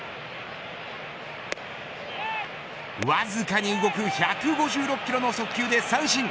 わずかに動く１５６キロの速球で三振。